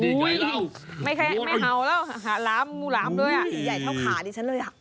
ไม่หาวแล้วหาหลามงูหลามด้วยอุ้ยใหญ่เท่าขาดิฉันเลย